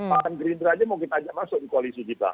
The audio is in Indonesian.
pak andri indra aja mau kita ajak masuk di koalisi kita